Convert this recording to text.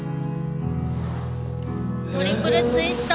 トリプルツイスト。